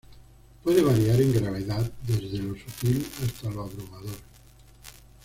Puede variar en gravedad desde lo sutil hasta lo abrumador.